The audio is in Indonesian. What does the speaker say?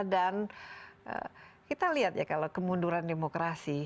dan kita lihat ya kalau kemunduran demokrasi